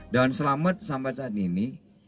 dan selamat sampai saat ini